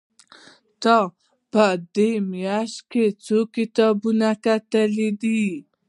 تا په دې مياشت کې څو کتابونه کتلي دي؟